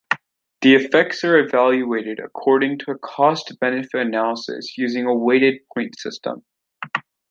The effects are evaluated according to a cost-benefit analysis using a weighted point system.